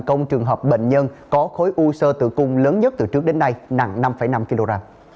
công trường hợp bệnh nhân có khối u sơ tử cung lớn nhất từ trước đến nay nặng năm năm kg